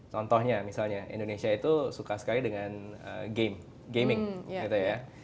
contohnya misalnya indonesia itu suka sekali dengan game gaming gitu ya